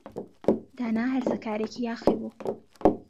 دانا هەرزەکارێکی یاخی بوو.